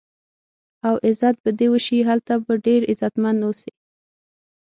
او عزت به دې وشي، هلته به ډېر عزتمن و اوسې.